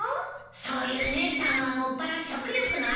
そういう姉さんはもっぱら食欲の秋だけどね。